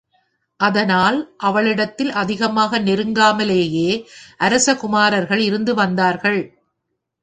அதனால் அவளிடத்தில் அதிகமாக நெருங்காமலேயே அரச குமாரர்கள் இருந்து வந்தார்கள்.